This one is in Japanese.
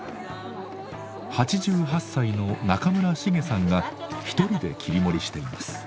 ８８歳の仲村シゲさんが一人で切り盛りしています。